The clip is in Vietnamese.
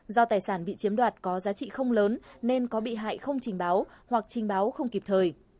do tài sản bị chiếm đoạt có giá trị không lớn nên có bị hại không trình báo hoặc trình báo không kịp thời